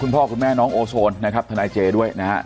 คุณพ่อคุณแม่น้องโอโซนทนายเจด้วยนะครับ